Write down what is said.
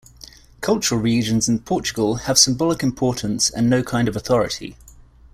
Cultural Regions in Portugal have symbolic importance and no kind of authority.